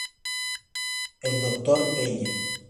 El Doctor Peña.